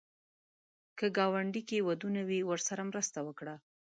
که ګاونډي ته ودونه وي، ورسره مرسته وکړه